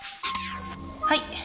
はい。